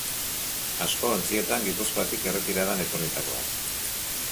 Asko ontzietan Gipuzkoatik erretiradan etorritakoak.